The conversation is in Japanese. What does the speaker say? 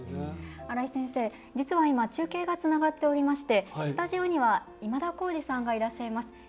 新井先生、実は今中継がつながっておりましてスタジオには今田耕司さんがいらっしゃいます。